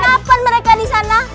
kenapa mereka disana